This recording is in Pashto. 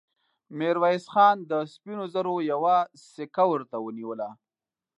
ميرويس خان د سپينو زرو يوه سيکه ورته ونيوله.